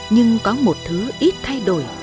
nhưng có một thứ ít thay đổi